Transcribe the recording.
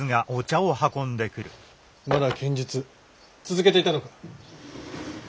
まだ剣術続けていたのか？